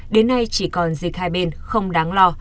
đến nay chỉ còn dịch hai bên không đáng lo